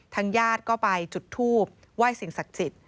ทั้งญาติก็ไปจุดทูปไหว้สิ่งศักดิ์จิต